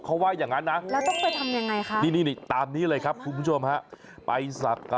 เขาว่าอย่างนั้นนะนี่ตามนี้เลยครับคุณผู้ชมฮะแล้วต้องไปทำยังไงครับ